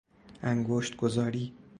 انگشت گذاری